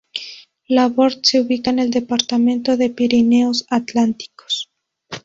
Labort se ubica en el departamento de Pirineos Atlánticos.